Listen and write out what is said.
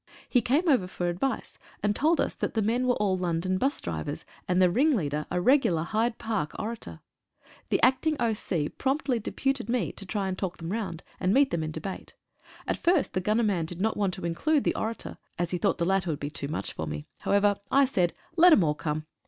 He came over for advice, and 39 THE AWFUL "MIDDENS." told us that the men were all London bus drivers, and the ringleader a regular Hyde Park orator. The Acting O.C. promptly deputed me to try and talk them round, and meet them in debate. At first the gunner man did not want to include the orator, as he thought the latter would be too much for me. However, I said, "Let 'em all come."